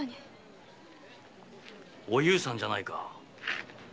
おゆうさんじゃないか。